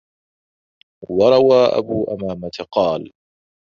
وَرَوَى أَبُو أُمَامَةَ قَالَ